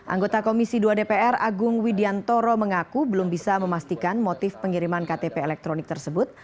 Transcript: anggota komisi dua dpr agung widiantoro mengaku belum bisa memastikan motif pengiriman ktp elektronik tersebut